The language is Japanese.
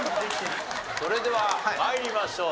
それでは参りましょう。